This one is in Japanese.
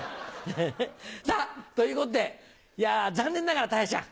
さぁということでいや残念ながらたいちゃん。